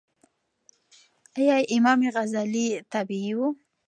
ایا امام غزالې تابعې وه؟